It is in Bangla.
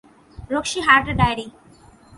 রক্সি হার্টের ডায়েরি!